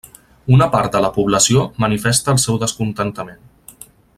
Una part de la població manifesta el seu descontentament.